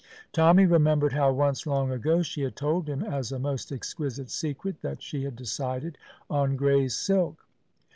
Tommy remembered how once, long ago, she had told him, as a most exquisite secret, that she had decided on gray silk.